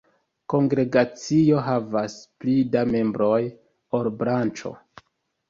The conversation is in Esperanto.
Kongregacio havas pli da membroj ol branĉo.